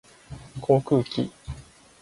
航空機